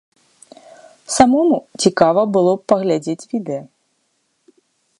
Самому цікава было б паглядзець відэа.